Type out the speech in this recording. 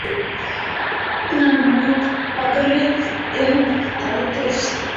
Тунам вара пагарет эрыкталтеш.